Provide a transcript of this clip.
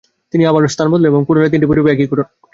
তিনি আবার স্থান বদলান এবং পুনরায় তিনটি পরিবারে একই ঘটনা ঘটে।